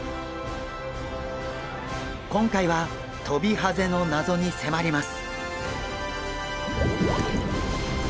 今回はトビハゼの謎に迫ります！